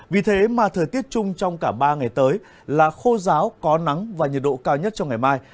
vì thế mà thời tiết chung trong cả ba ngày tới là khô giáo có nắng và nhiệt độ cao nhất trong ngày mai